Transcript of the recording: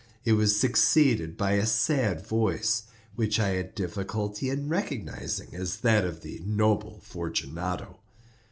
It was succeeded by a sad voice, which I had difficulty in recognising as that of the noble Fortunato.